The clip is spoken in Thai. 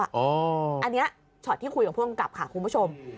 อันนี้ช็อตที่คุยกับผู้กำกับค่ะคุณผู้ชม